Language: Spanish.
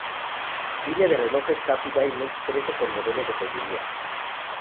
La línea de relojes Happy Diamonds crece con modelos de joyería.